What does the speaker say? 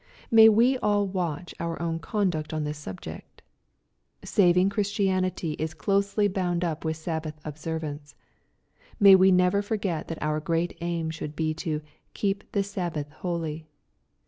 May we all watch our own conduct on this subject. Saving Christianity is closely bound up with Sabbath observance. May we never forget that our great aim should be to " keep the Sabbath holy."